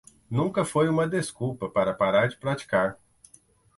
Nunca foi uma desculpa para parar de praticar